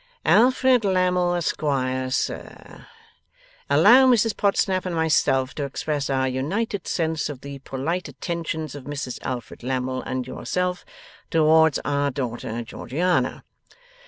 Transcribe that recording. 'Alfred Lammle, Esquire. Sir: Allow Mrs Podsnap and myself to express our united sense of the polite attentions of Mrs Alfred Lammle and yourself towards our daughter, Georgiana.